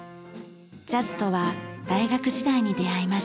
ジャズとは大学時代に出会いました。